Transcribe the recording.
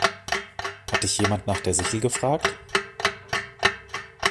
Hat dich jemand nach der Sichel gefragt?